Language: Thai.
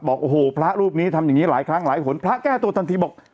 บอกโอ้โหพระรูปนี้ทำอย่างนี้หลายครั้งหลายหนพระแก้ตัวทันทีบอก